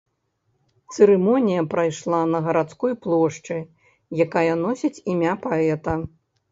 Цырымонія прайшла на гарадской плошчы, якая носіць імя паэта.